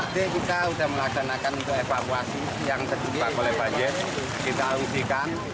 jadi kita sudah melaksanakan untuk evakuasi yang terdiri oleh banjir kita usikan